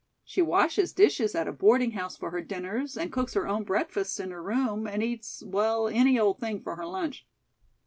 She washes dishes at a boarding house for her dinners and cooks her own breakfasts in her room and eats, well, any old thing, for her lunch.